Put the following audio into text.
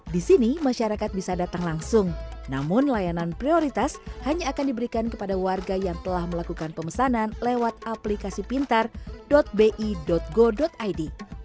di sini masyarakat bisa datang langsung namun layanan prioritas hanya akan diberikan kepada warga yang telah melakukan pemesanan lewat aplikasi pintar bi go id